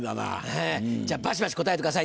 ええじゃあバシバシ答えてくださいね。